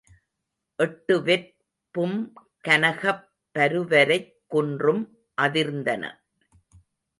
எட்டுவெற் பும்கனகப் பருவரைக் குன்றும் அதிர்ந்தன.